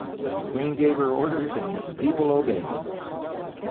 The Queen gave her orders, and the people obeyed.